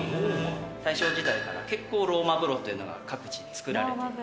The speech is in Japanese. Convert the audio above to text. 大正時代から結構ローマ風呂というのが各地に造られている。